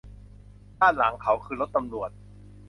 ด้านหลังเขาคือรถตำรวจ